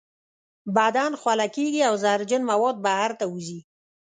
بدن خوله کیږي او زهرجن مواد بهر ته وځي.